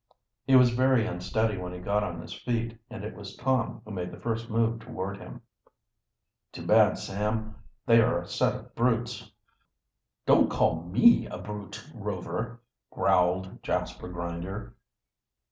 He was very unsteady when he got on his feet, and it was Tom who made the first move toward him. "Too bad, Sam. They are a set of brutes." "Don't call me a brute Rover," growled Jasper Grinder.